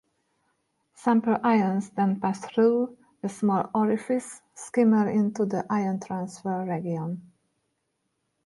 Sample ions then pass through a small orifice skimmer into the ion-transfer region.